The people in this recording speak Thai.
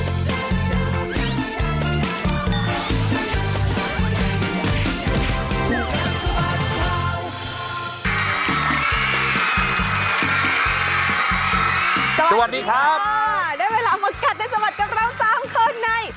สวัสดีครับสวัสดีค่ะได้เวลามากัดได้สบัดกับเราสามคนใน